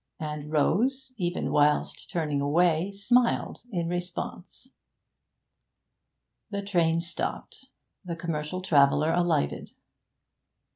And Rose, even whilst turning away, smiled in response. The train stopped. The commercial traveller alighted.